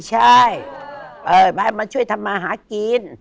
ใช่มาช่วยทำมาหากิน